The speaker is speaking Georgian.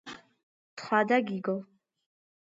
თხა და გიგო.